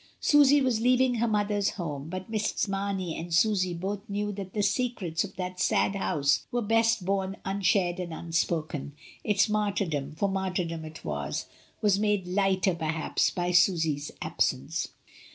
Susy was leaving her mother's home; but Mrs. Mamey and Susy both knew that the secrets of that sad house were best borne unshared and unspoken. Its martyrdom (for martjnrdom it was) was made lighter, perhaps, by Susy's absence.